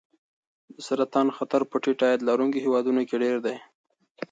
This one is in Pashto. د سرطان خطر په ټیټ عاید لرونکو هېوادونو کې ډېر دی.